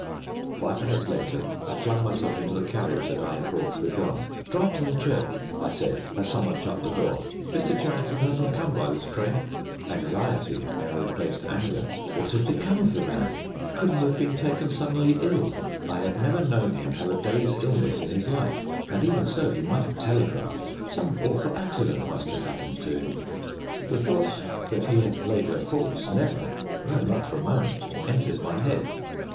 Five minutes later I flung myself into the carriage that I had brought for John. "Drive to the church!" I said, as some one shut the door. "Mr. Charrington hasn't come by this train." Anxiety now replaced anger. What had become of the man? Could he have been taken suddenly ill? I had never known him have a day's illness in his life. And even so he might have telegraphed. Some awful accident must have happened to him. The thought that he had played her false never no, not for a moment entered my head.